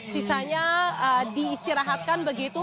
sisanya diistirahatkan begitu